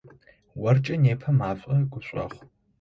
Оркӏэ непэ мэфэ гушӏуагъу.